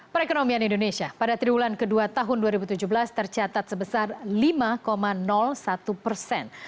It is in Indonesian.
perekonomian indonesia pada triwulan kedua tahun dua ribu tujuh belas tercatat sebesar lima satu persen